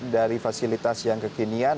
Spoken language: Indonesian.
dari fasilitas yang kekinian